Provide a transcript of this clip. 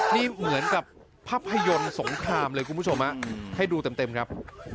นี่เหมือนกับภาพยนตร์สงครามเลยคุณผู้ชมให้ดูเต็มครับ